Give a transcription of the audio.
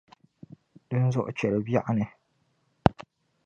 Dinzuɣu cheli biɛɣuni